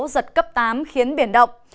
giật cấp tám khiến biển động